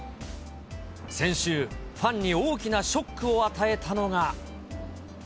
先週、ファンに大きなショックを与えたのが。